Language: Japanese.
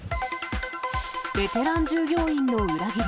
ベテラン従業員の裏切り。